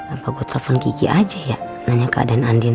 apa gue telepon gigi aja ya nanya keadaan andin